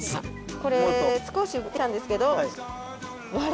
これ少し浮いてきたんですけど。